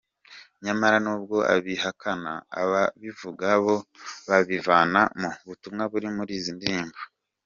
Nyamara n’ubwo abihakana ababivuga bo babivana mu butumwa buri muri izi ndirimbo.